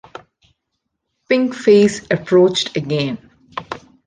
Pink face approached again.